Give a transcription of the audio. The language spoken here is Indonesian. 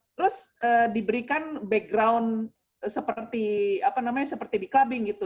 terus diberikan background seperti apa namanya seperti di clubbing gitu